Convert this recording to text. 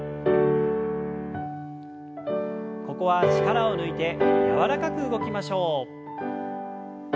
ここは力を抜いて柔らかく動きましょう。